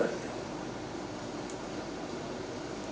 mereka menuju kemana saya juga menuju